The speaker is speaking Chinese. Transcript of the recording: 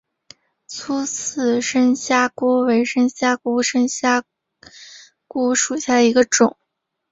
粗刺深虾蛄为深虾蛄科深虾蛄属下的一个种。